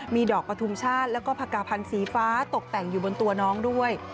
มีดอกประทุมชาติแล้วก็ผักกาพันธ์สีฟ้าตกแต่งอยู่บนตัวน้องด้วย